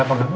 apa sih ki